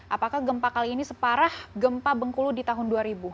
apakah gempa kali ini separah gempa bengkulu di tahun dua ribu